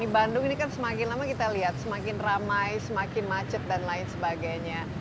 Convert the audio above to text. bandung ini kan semakin lama kita lihat semakin ramai semakin macet dan lain sebagainya